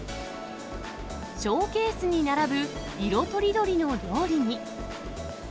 ショーケースに並ぶ色とりどりの料理に。